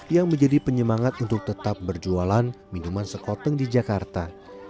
yang menjadi penyemangat untuk tetap berjualan minuman sekoteng di jakarta